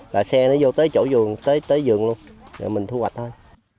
là xe nó vô tới chỗ vườn tới vườn luôn rồi mình thu hoạch thôi